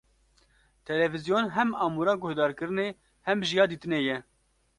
Televizyon hem amûra guhdarkirinê, hem jî ya dîtinê ye.